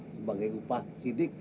sebagai upah sidik